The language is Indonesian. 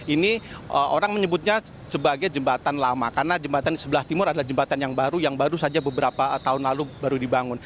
ini orang menyebutnya sebagai jembatan lama karena jembatan di sebelah timur adalah jembatan yang baru yang baru saja beberapa tahun lalu baru dibangun